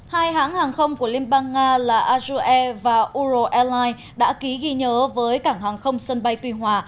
hai hãng hàng không của liên bang nga là azure và uraline đã ký ghi nhớ với cảng hàng không sân bay tùy hòa